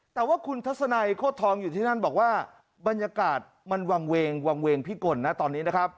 แต่ว่าคุณทัศนัยโคตรทองอยู่ที่นั่นบอกว่าบรรยากาศมันวางเวงวางเวงพิกลนะตอนนี้นะครับ